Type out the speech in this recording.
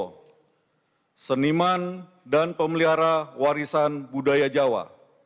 enam doktor of honoris causa seniman dan pemelihara warisan budaya jawa